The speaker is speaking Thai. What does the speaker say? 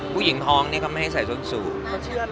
ผู้หญิงทองเนี่ยก็ไม่ให้ใส่เถอะ